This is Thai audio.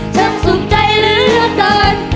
ฉันสุขใจเรื่องเกิน